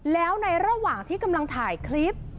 แล้วในระหว่างที่กำลังถ่ายคลิป